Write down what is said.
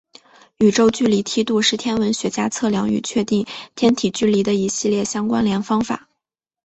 宇宙距离梯度是天文学家测量与确定天体距离的一系列相关联方法。